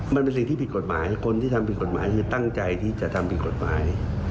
มันเป็นสิ่งที่ผิดกฎหมายคนที่ทำผิดกฎหมายคือตั้งใจที่จะทำผิดกฎหมาย